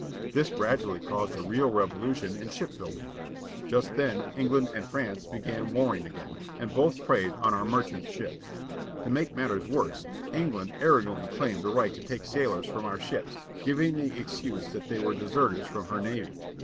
This gradually caused a real revolution in ship building. Just then England and France began warring again, and both preyed on our merchant ships. To make matters worse, England arro gantly claimed the right to take sailors from our ships, giving the excuse that they were deserters from her navy.